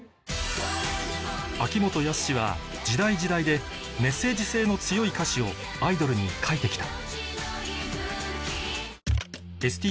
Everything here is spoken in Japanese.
秋元康は時代時代でメッセージ性の強い歌詞をアイドルに書いて来た